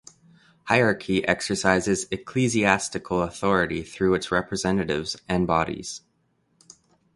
Hierarchy exercises ecclesiastical authority through its representatives and bodies.